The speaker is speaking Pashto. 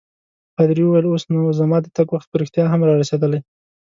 پادري وویل: اوس نو زما د تګ وخت په رښتیا هم رارسیدلی.